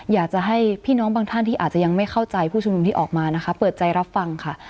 อยากจะให้พี่น้องบางท่านที่อาจจะยังไม่เข้าใจผู้ชุมนุมที่ออกมานะคะเปิดใจรับฟังค่ะ